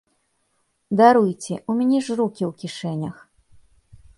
Даруйце, у мяне ж рукі ў кішэнях.